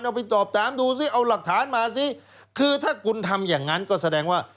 เอาไปตอบถามดูซิเอาหลักฐานมาสิคือถ้าคุณทำอย่างนั้นก็แสดงว่า